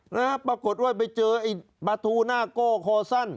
นะฮะปรากฏว่าไปเจอไอ้บาทูนาโกโฮสัน